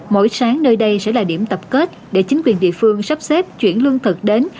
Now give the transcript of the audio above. mỗi sáng nơi đây sẽ là điểm tập kết để chính quyền địa phương sắp xếp chuyển lương thực đến